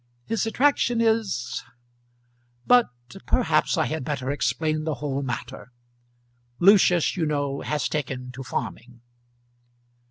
His attraction is ; but perhaps I had better explain the whole matter. Lucius, you know, has taken to farming."